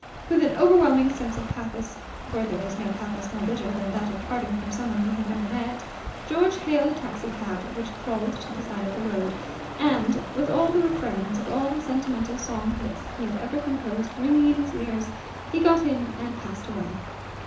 With an overwhelming sense of pathos, for there is no pathos more bitter than that of parting from someone we have never met, George hailed a taxicab which crawled at the side of the road; and, with all the refrains of all the sentimental song hits he had ever composed ringing in his ears, he got in and passed away.